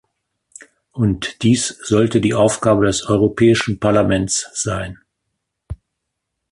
Und dies sollte die Aufgabe des Europäischen Parlaments sein.